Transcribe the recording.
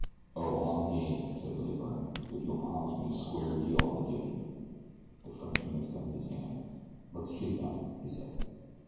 "Oh, I'm game," said Billy Byrne, "if you'll promise me a square deal on the divvy." The Frenchman extended his hand. "Let's shake on it," he said.